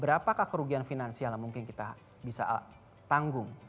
berapakah kerugian finansial yang mungkin kita bisa tanggung